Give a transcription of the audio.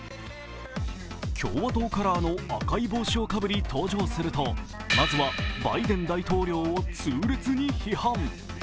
共和党カラーの赤い帽子をかぶり登場するとまずは、バイデン大統領を痛烈に批判。